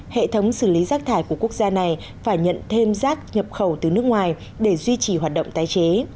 hệ thống xử lý rác thải của quốc gia này phải nhận thêm rác nhập khẩu từ nước ngoài để duy trì hoạt động tái chế